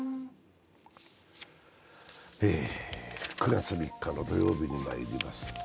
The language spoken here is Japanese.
９月３日の土曜日にまいります。